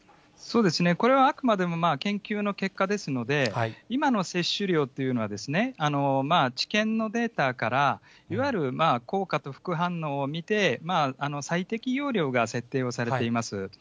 これはあくまでも研究の結果ですので、今の接種量というのは、治験のデータから、いわゆる効果と副反応を見て、最適容量が設定をされています。